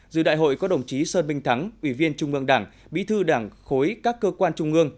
dự đại hội có đồng chí sơn minh thắng ủy viên trung ương đảng bí thư đảng khối các cơ quan trung ương